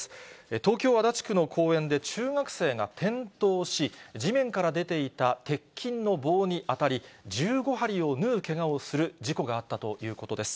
東京・足立区の公園で、中学生が転倒し、地面から出ていた鉄筋の棒に当たり、１５針を縫うけがをする事故があったということです。